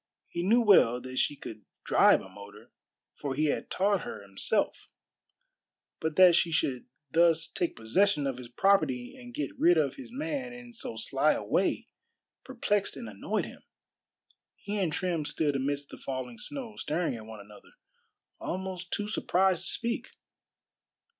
He knew well that she could drive a motor, for he had taught her himself; but that she should thus take possession of his property and get rid of his man in so sly a way perplexed and annoyed him. He and Trim stood amidst the falling snow, staring at one another, almost too surprised to speak.